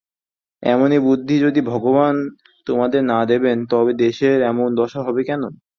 এমনি বুদ্ধি যদি ভগবান তোমাদের না দেবেন তবে দেশের এমন দশা হবে কেন?